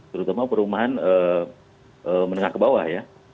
terutama perumahan menengah ke bawah ya